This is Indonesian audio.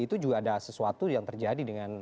itu juga ada sesuatu yang terjadi dengan